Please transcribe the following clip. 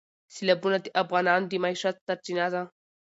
سیلابونه د افغانانو د معیشت سرچینه ده.